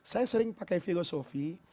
saya sering pakai filosofi